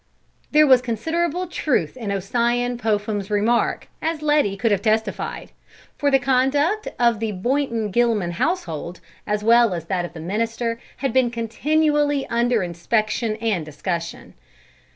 There was considerable truth in Ossian Popham's remark, as Letty could have testified; for the conduct of the Boynton Gilman household, as well as that of the minister, had been continually under inspection and discussion.